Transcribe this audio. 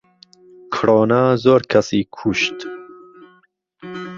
کڕۆنا زۆرکەسی کووشت